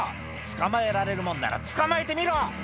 「捕まえられるもんなら捕まえてみろ」